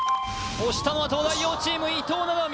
押したのは東大王チーム伊藤七海